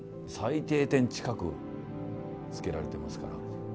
最低点近くつけられてますから。